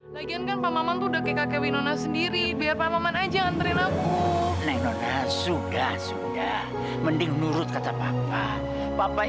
sampai jumpa di video selanjutnya